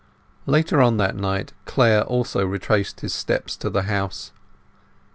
Later on that night Clare also retraced his steps to the house.